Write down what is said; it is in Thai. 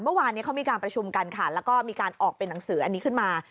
เมื่อวานนี้เขามีการประชุมกันค่ะแล้วก็มีการออกเป็นหนังสืออันนี้ขึ้นมา